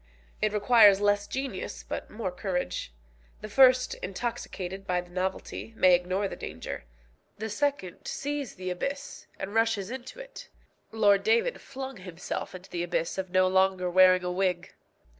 It requires less genius, but more courage. The first, intoxicated by the novelty, may ignore the danger; the second sees the abyss, and rushes into it. Lord David flung himself into the abyss of no longer wearing a wig.